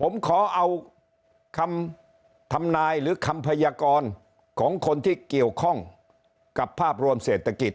ผมขอเอาคำทำนายหรือคำพยากรของคนที่เกี่ยวข้องกับภาพรวมเศรษฐกิจ